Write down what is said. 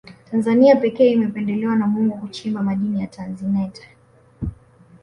tanzania pekee imependelewa na mungu kuchimba madini ya tanzanite